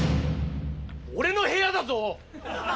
俺の部屋だぞ！？